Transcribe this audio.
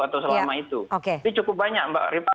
atau selama itu